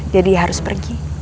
jadi harus pergi